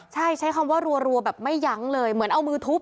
ใช่ใช้คำว่ารัวแบบไม่ยั้งเลยเหมือนเอามือทุบ